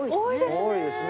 多いですね